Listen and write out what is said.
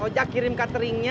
ojak kirim cateringnya